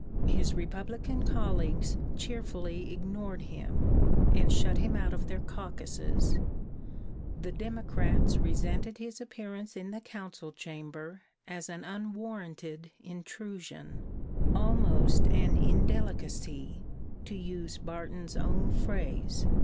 His Republican colleagues cheerfully ignored him, and shut him out of their caucuses; the Democrats resented his appearance in the Council chamber as an unwarranted intrusion 'almost an indelicacy,' to use Barton's own phrase.